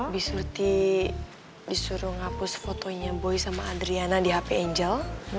bikin suruh ngapus fotonya boy sama adriana di hp angel